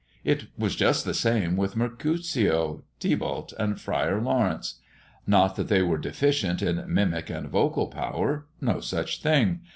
It was just the same with Mercutio, Tybalt, and Friar Lawrence. Not that they were deficient in mimic and vocal power no such thing!